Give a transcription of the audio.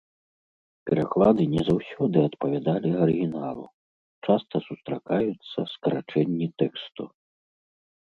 Пераклады не заўсёды адпавядалі арыгіналу, часта сустракаюцца скарачэнні тэксту.